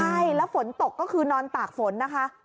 ใช่แล้วฝนตกก็คือนอนตากฝนนะคะ